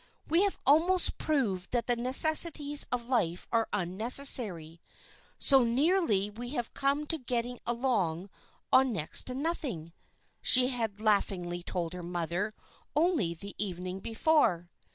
"We have almost proved that the necessities of life are unnecessary, so nearly have we come to getting along on next to nothing," she had laughingly told her mother only the evening before.